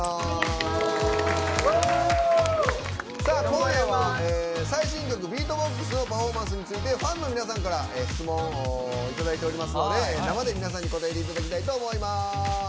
今夜は最新曲「Ｂｅａｔｂｏｘ」のパフォーマンスについてファンの皆さんから質問をいただいておりますので生で皆さんに答えていただきたいと思います。